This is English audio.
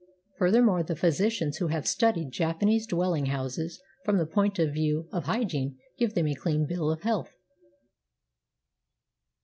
Furthermore the physicians who have studied Japanese dwelling houses from the point of view of hygiene give them a clean bill of health.